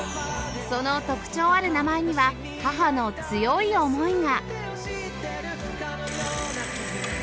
その特徴ある名前には母の強い思いが